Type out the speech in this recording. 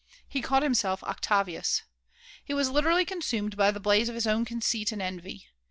He called himself Octavius. He was literally consumed by the blaze of his own conceit and envy.